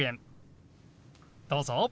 どうぞ。